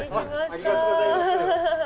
ありがとうございます。